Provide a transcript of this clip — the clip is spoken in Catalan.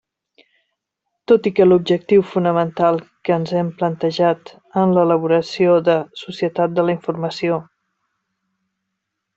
Tot i que l'objectiu fonamental que ens hem plantejat en l'elaboració de Societat de la informació.